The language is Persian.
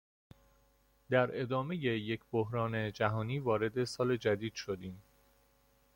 در ادامهی یک بحران جهانی وارد سال جدید شدیم.